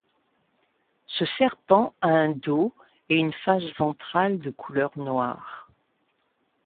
Ce serpent a un dos et une face ventrale de couleur noire.